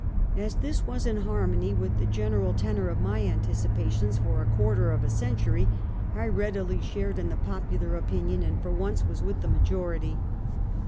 As this was in harmony with the general ten or of my anticipations for a quarter of a century, I readily shared in the popular opinion, and for once v/as with the majority.